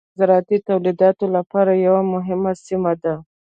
ننګرهار د زراعتي تولیداتو لپاره یوه مهمه سیمه ده.